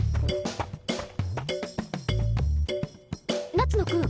夏野君。